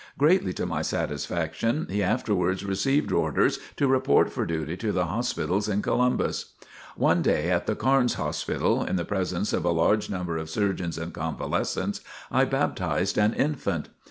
Greatly to my satisfaction he afterwards received orders to report for duty to the hospitals in Columbus. One day, at the Carnes Hospital, in the presence of a large number of surgeons and convalescents, I baptized an infant.